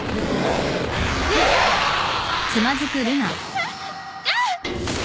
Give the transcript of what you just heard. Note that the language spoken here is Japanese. あっああっ！